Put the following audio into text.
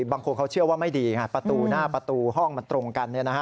บางคนเขาเชื่อว่าไม่ดีไงประตูหน้าประตูห้องมันตรงกัน